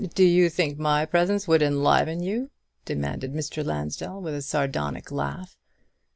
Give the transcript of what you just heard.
"And do you think my presence would enliven you?" demanded Mr. Lansdell, with a sardonic laugh.